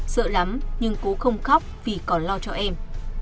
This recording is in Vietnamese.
sợ lắm nhưng cũng không khóc vì còn lo cho em